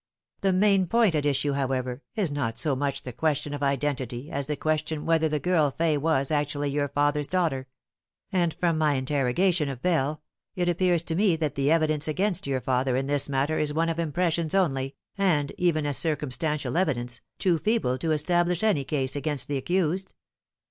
"The main point at issue, however, is not so much the question of identity as the question whether the girl Fay was actually your father's daughter ; and from my interrogation of Bell, it appears to me that the evidence against your father in this matter is one of impressions only, and, even as circum stantial evidence, too feeble to establish any case against the accused.